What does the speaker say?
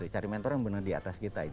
cari mentor yang benar di atas kita